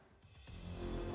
soal energi berikut liputannya